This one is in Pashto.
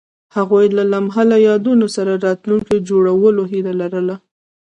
هغوی د لمحه له یادونو سره راتلونکی جوړولو هیله لرله.